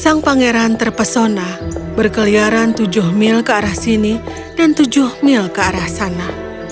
sang pangeran terpesona berkeliaran tujuh mil ke arah sini dan tujuh mil ke arah sana